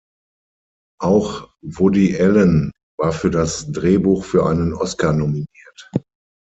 Auch Woody Allen war für das Drehbuch für einen Oscar nominiert.